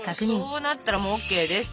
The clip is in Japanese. そうなったらもうＯＫです。